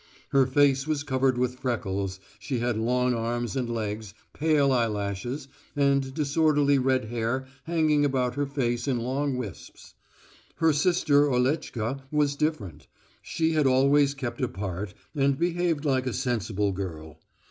Her face was covered with freckles, she had long arms and legs, pale eyelashes, and disorderly red hair hanging about her face in long wisps. Her sister Oletchka was different; she had always kept apart, and behaved like a sensible girl.